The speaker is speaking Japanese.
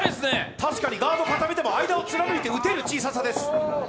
確かにガードを固めても、間を貫いて打てる大きさです。